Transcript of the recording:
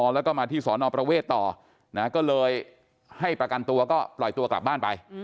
แล้วก็มาที่สอนอประเวทต่อนะก็เลยให้ประกันตัวก็ปล่อยตัวกลับบ้านไป